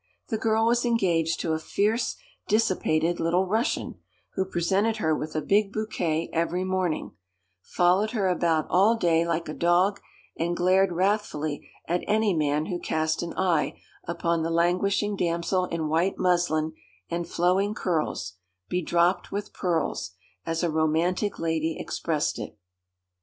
The girl was engaged to a fierce, dissipated little Russian, who presented her with a big bouquet every morning, followed her about all day like a dog, and glared wrathfully at any man who cast an eye upon the languishing damsel in white muslin and flowing curls 'bedropt with pearls,' as a romantic lady expressed it.